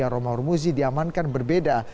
romau rumuzi diamankan berbeda